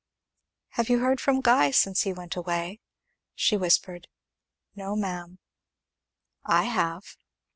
"Have you heard from Guy since he went away?" she whispered. "No, ma'am." "I have."